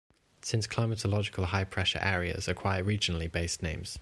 Some climatological high-pressure areas acquire regionally based names.